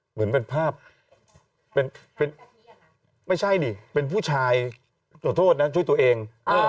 เหมือนเป็นภาพไม่ใช่ดิเป็นผู้ชายขอโทษนะช่วยตัวเอง